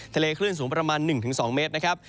คลื่นสูงประมาณ๑๒เมตรนะครับ